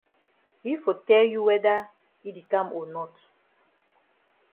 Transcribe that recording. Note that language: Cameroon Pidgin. Yi for tell you whether yi di kam o not.